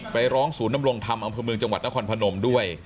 ไปร้องศูนย์นำรงธรรมอำเภอเมืองจังหวัดนครพนมด้วย